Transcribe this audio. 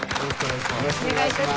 よろしくお願いします。